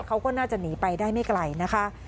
เขาก็น่าจะหนีไปได้ไม่ไกลนะคะ